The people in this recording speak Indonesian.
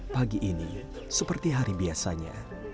pagi ini seperti hari biasanya